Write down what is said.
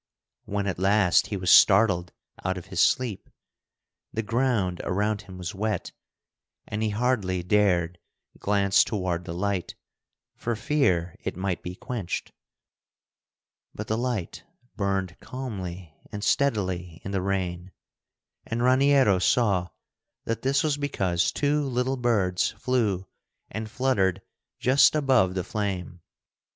When at last he was startled out of his sleep, the ground around him was wet, and he hardly dared glance toward the light, for fear it might be quenched. But the light burned calmly and steadily in the rain, and Raniero saw that this was because two little birds flew and fluttered just above the flame.